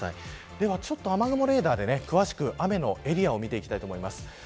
では雨雲レーダーで詳しく雨のエリアを見ていきたいと思います。